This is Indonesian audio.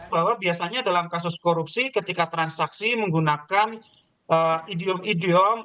bahwa biasanya dalam kasus korupsi ketika transaksi menggunakan idiom idiom